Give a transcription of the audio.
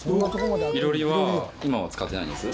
囲炉裏は今は使ってないんです。